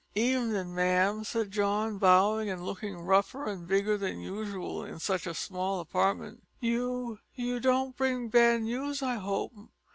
"Ev'nin', ma'am," said John, bowing and looking rougher and bigger than usual in such a small apartment. "You you don't bring bad news, I hope!